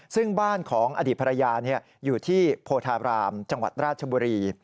ซึ่งบ้านของอดีตภรรยาอยู่ที่โพธาบรามจังหวัดราชบุรี